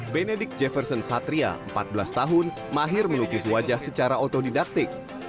benedik jefferson satria empat belas tahun mahir melukis wajah secara otodidaktik